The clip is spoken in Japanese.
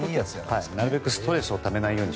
なるべくストレスをためないように。